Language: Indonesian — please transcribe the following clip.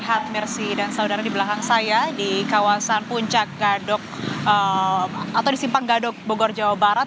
sehat mercy dan saudara di belakang saya di kawasan puncak gadok atau di simpang gadok bogor jawa barat